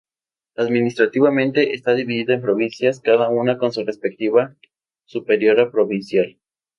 Administrativamente está dividido en provincias, cada una con su respectiva superiora provincial.